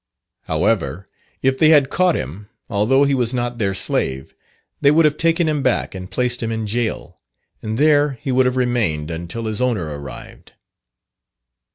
However, if they had caught him, although he was not their slave, they would have taken him back and placed him in goal, and there he would have remained until his owner arrived.